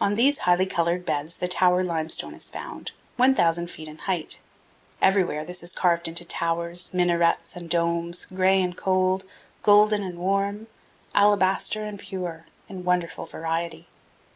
On these highly colored beds the tower limestone is found, 1,000 feet in height. Everywhere this is carved into towers, minarets, and domes, gray and cold, golden and warm, alabaster and pure, in wonderful variety.